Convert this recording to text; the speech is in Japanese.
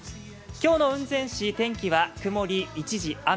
今日の雲仙市、天気は曇り一時雨。